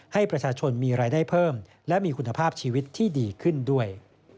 ให้ประชาชนมีรายได้เพิ่มและมีคุณภาพชีวิตที่ดีขึ้นด้วย